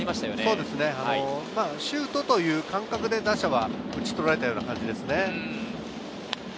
シュートという感覚で打者は打ち取られた感じですよね。